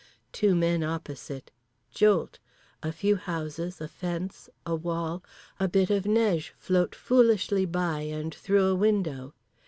Two men opposite. Jolt. A few houses, a fence, a wall, a bit of neige float foolishly by and through a window.